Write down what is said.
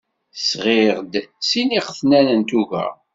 Sɣiɣ-d sin iqetnan n tuga.